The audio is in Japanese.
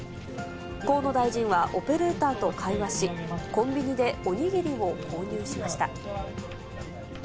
河野大臣は、オペレーターと会話し、コンビニでお握りを購入しました。